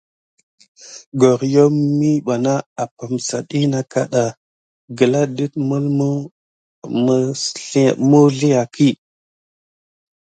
Goryom miɓanà aprisa ɗi nà na kaɗa gəla dət məlməw məwsliakə.